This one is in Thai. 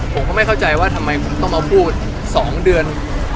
ผมก็ไม่เข้าใจว่าทำไมผมต้องมาพูด๒เดือน